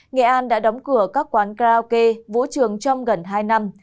nghệ an đã đóng cửa các quán karaoke vũ trường trong gần hai năm